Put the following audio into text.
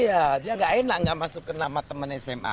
iya dia nggak enak nggak masukin nama teman sma